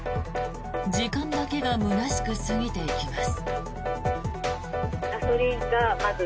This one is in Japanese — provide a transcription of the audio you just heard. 時間だけが空しく過ぎていきます。